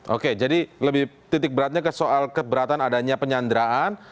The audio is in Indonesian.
oke jadi lebih titik beratnya ke soal keberatan adanya penyanderaan